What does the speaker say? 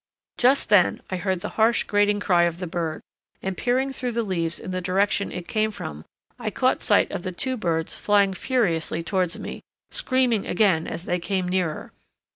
Just then I heard the harsh grating cry of the bird, and peering through the leaves in the direction it came from I caught sight of the two birds flying furiously towards me, screaming again as they came nearer.